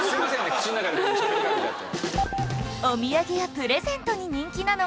口の中にあるのにしゃべりかけちゃって。